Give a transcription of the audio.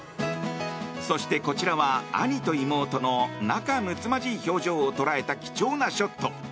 そしてこちらは兄と妹の仲睦まじい表情を捉えた貴重なショット。